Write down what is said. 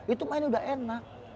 itu main udah enak